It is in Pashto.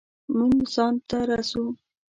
مونږ ځان ته رسو